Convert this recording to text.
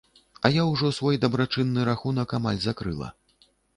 А я ўжо свой дабрачынны рахунак амаль закрыла.